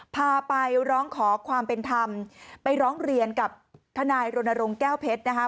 พาไปร้องขอความเป็นธรรมไปร้องเรียนกับทนายรณรงค์แก้วเพชรนะคะ